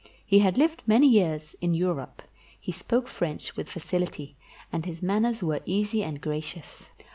He had lived many years in Europe; he spoke French with facility, and his manners were easy and gracious.